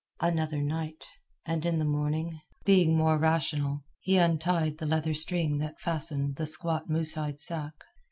Another night; and in the morning, being more rational, he untied the leather string that fastened the squat moose hide sack.